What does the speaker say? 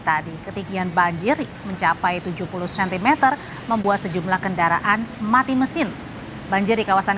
tadi ketinggian banjir mencapai tujuh puluh cm membuat sejumlah kendaraan mati mesin banjir di kawasan